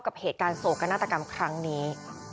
ผิดชอบกับเหตุการณ์โศกการณ์นาฏกรรมครั้งนี้